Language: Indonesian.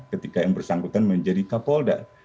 ketika yang bersangkutan menjadi kapolda